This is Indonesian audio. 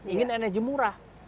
ingin energi murah